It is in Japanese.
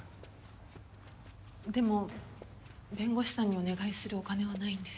でも弁護士さんにお願いするお金はないんです。